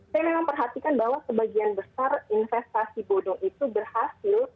saya memang perhatikan bahwa sebagian besar investasi bodong itu berhasil